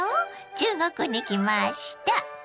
中国に来ました。